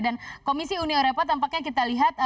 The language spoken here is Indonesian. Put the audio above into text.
dan komisi unio repo tampaknya kita lihat